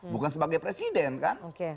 bukan sebagai presiden kan